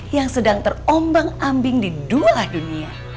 yang sedang terombang ambing di dua dunia